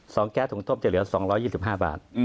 แก๊สถุงทบจะเหลือ๒๒๕บาท